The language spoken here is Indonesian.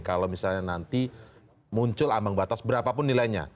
kalau misalnya nanti muncul ambang batas berapapun nilainya